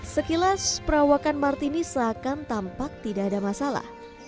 sekilas perawakan martini seakan tampak tidak ada masalah